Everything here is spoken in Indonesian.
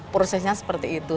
prosesnya seperti itu